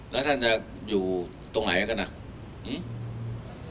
แล้วท่านจะอยู่ตรงไหนกันอ่ะ